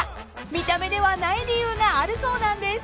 ［見た目ではない理由があるそうなんです］